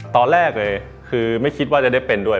ตอนแรกเลยคือไม่คิดว่าจะได้เป็นด้วย